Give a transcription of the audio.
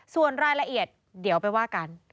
ส่วนรายละเอียดเดี๋ยวไปว่ากัน